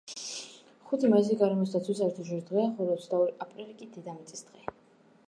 ხუთი მაისი გარემოს დაცვის საერთაშორისო დღეა, ხოლო ოცდაორი აპრილი კი-დედამიწის დღე.